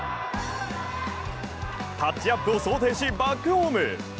タッチアップを想定し、バックホーム。